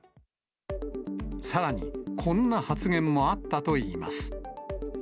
さらに、こんな発言もあったといいます。